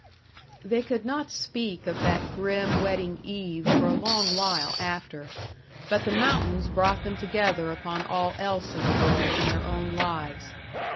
They could not speak of that grim wedding eve for a long while after; but the mountains brought them together upon all else in the world and their own lives.